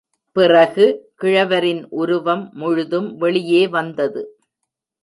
பிறகு கிழவரின் உருவம் முழுதும் வெளியே வந்தது.